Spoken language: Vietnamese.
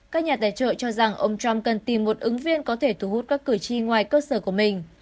các nhà tài trợ cho rằng ông trump cần tìm một ứng viên có thể thu hút các cử tri ngoài cơ sở của mình